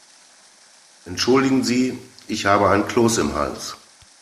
Entschuldigen Sie, ich habe einen Kloß im Hals.